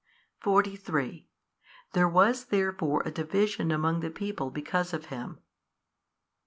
43 There was therefore a division among the people because of Him.